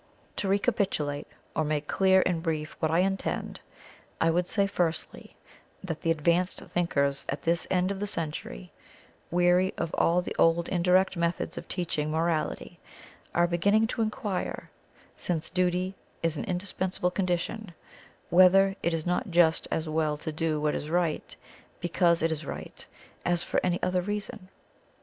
To recapitulate or make clear in brief what I intend, I would say Firstly, that the advanced thinkers at this end of the century, weary of all the old indirect methods of teaching Morality, are beginning to enquire, since Duty is an indispensable condition, whether it is not just as well to do what is right, because it is right, as for any other reason?